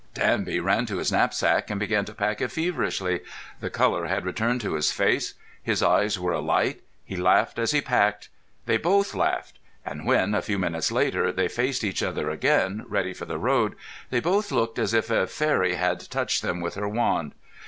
Danby ran to his knapsack and began to pack it feverishly. The colour had returned to his face. His eyes were alight. He laughed as he packed. They both laughed; and when, a few minutes later, they faced each other again, ready for the road, they both looked as if a fairy had touched them with her wand.